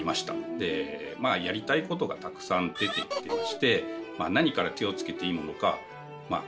でまあやりたいことがたくさん出てきてまして何から手をつけていいものかまあ